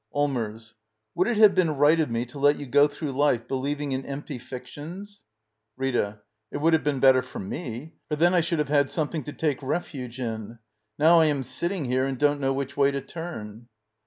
Allmers. Would it have been right of me to let you go through life believing in empty fic tions? Rita. It would have been better for me. For then I should have had something to take refuge in. 'Now I am sitting here and don't know which way to turn.